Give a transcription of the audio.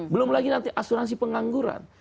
belum lagi nanti asuransi pengangguran